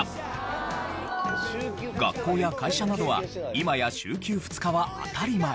学校や会社などは今や週休２日は当たり前。